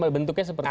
bentuknya seperti apa